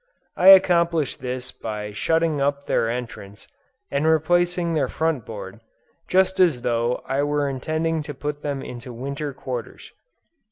I accomplish this by shutting up their entrance, and replacing their front board, just as though I were intending to put them into winter quarters.